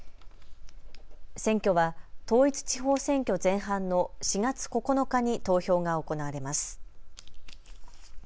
選挙は統一地方選挙前半の４月９日に投票が行われます。